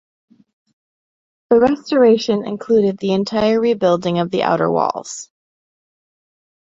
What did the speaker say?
The restoration included the entire rebuilding of the outer walls.